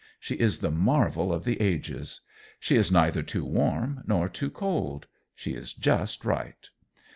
She is the marvel of the ages. She is neither too warm nor too cold; she is just right.